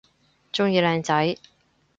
鍾意靚仔